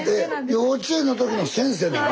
幼稚園の時の先生なの？